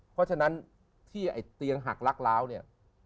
เพราะฉะนั้นที่ไอ้เตียงหักลักล้าวเนี่ย